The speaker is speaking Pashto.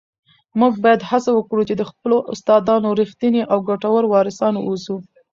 موږ باید هڅه وکړو چي د خپلو استادانو رښتیني او ګټور وارثان واوسو.